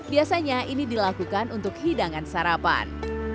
biasanya ini dilakukan untuk hidangan sarapan